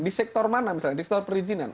di sektor mana misalnya di sektor perizinan